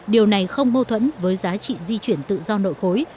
điều này không mâu thuẫn với giá trị di chuyển tự do nội khối